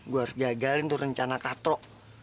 gue harus gagalin tuh rencana katro